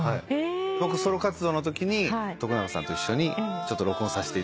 僕ソロ活動のときに永さんと一緒に録音させていただいて。